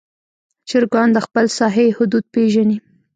چرګان د خپل ساحې حدود پېژني.